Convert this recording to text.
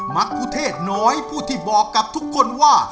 มรรคุเทศน้อยผู้ที่บอกกับทุกคนว่า